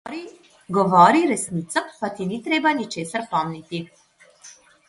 Govori resnico, pa ti ni treba ničesar pomniti.